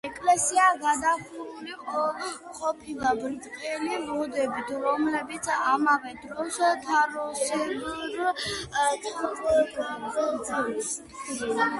ეკლესია გადახურული ყოფილა ბრტყელი ლოდებით, რომლებიც ამავე დროს თაროსებრ ლავგარდანს ქმნიდა.